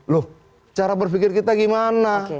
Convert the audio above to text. loh cara berpikir kita gimana